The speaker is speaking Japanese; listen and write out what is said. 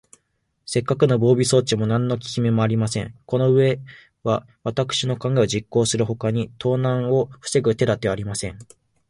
せっかくの防備装置も、なんのききめもありません。このうえは、わたくしの考えを実行するほかに、盗難をふせぐ手だてはありません。